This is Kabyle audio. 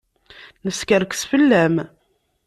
Neskerkes fell-am.